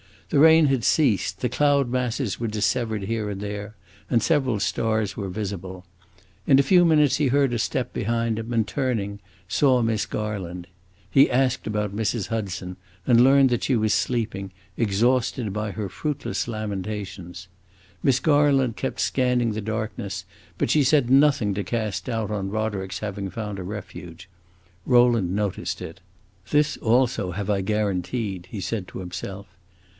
The rain had ceased, the cloud masses were dissevered here and there, and several stars were visible. In a few minutes he heard a step behind him, and, turning, saw Miss Garland. He asked about Mrs. Hudson and learned that she was sleeping, exhausted by her fruitless lamentations. Miss Garland kept scanning the darkness, but she said nothing to cast doubt on Roderick's having found a refuge. Rowland noticed it. "This also have I guaranteed!" he said to himself.